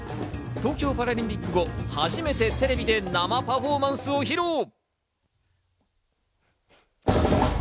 東京パラリンピック後、初めてテレビで生パフォーマンスを披露。